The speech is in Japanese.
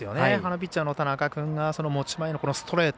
ピッチャーの田中君が持ち前のストレート